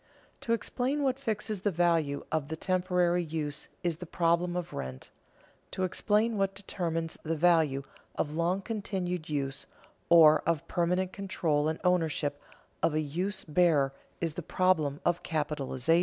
To explain what fixes the value of the temporary use is the problem of rent; to explain what determines the value of long continued use or of permanent control and ownership of a use bearer is the problem of capitalization.